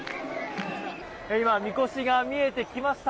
今、みこしが見えてきました。